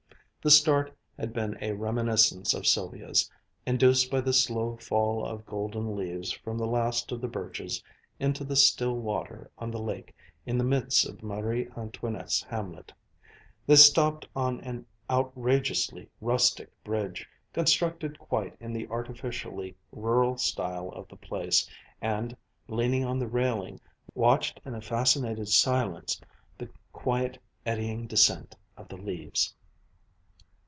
The start had been a reminiscence of Sylvia's, induced by the slow fall of golden leaves from the last of the birches into the still water of the lake in the midst of Marie Antoinette's hamlet. They stopped on an outrageously rustic bridge, constructed quite in the artificially rural style of the place, and, leaning on the railing, watched in a fascinated silence the quiet, eddying descent of the leaves.